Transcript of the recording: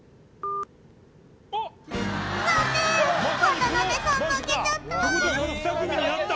渡部さん負けちゃった！